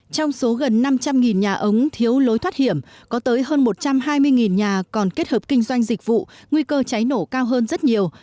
trong số gần năm trăm linh nhà ống thiếu lối thoát hiểm có tới hơn một trăm hai mươi nhà còn kết hợp kinh doanh dịch vụ nguy cơ cháy nổ cao hơn rất nhiều